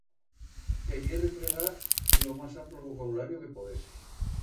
Querié replegar lo mas amplo vocabulario que podese.